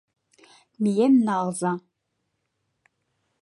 Миен налза.